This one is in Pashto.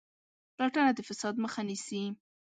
پلټنه د فساد مخه نیسي